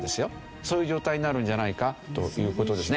そういう状態になるんじゃないかという事ですね。